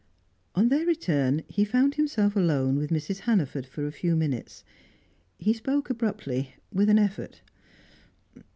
On their return, he found himself alone with Mrs. Hannaford for a few minutes. He spoke abruptly, with an effort.